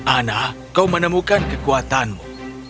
ana kau menemukan kekuatanmu